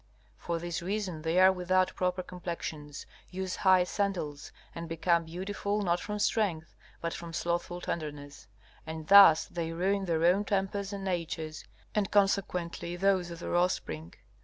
For this reason they are without proper complexions, use high sandals, and become beautiful not from strength, but from slothful tenderness. And thus they ruin their own tempers and natures, and consequently those of their offspring.